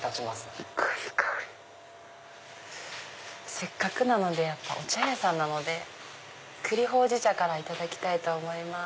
せっかくなのでお茶屋さんなので栗焙じ茶からいただきたいと思います。